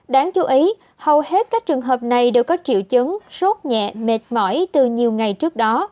đáng chú ý hầu hết các trường hợp này đều có triệu chứng sốt nhẹ mệt mỏi từ nhiều ngày trước đó